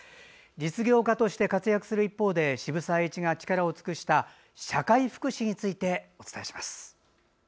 実業家として活躍する一方で渋沢栄一が力を尽くした社会福祉についてお伝えします。